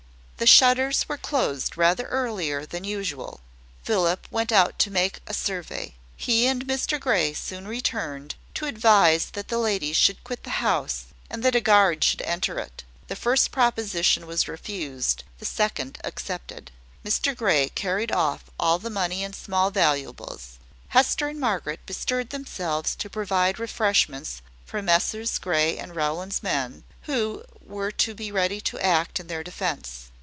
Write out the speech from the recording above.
The shutters were closed rather earlier than usual. Philip went out to make a survey. He and Mr Grey soon returned, to advise that the ladies should quit the house, and that a guard should enter it. The first proposition was refused; the second accepted. Mr Grey carried off all the money and small valuables. Hester and Margaret bestirred themselves to provide refreshments for Messrs. Grey and Rowland's men, who were to be ready to act in their defence.